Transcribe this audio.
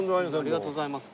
ありがとうございます。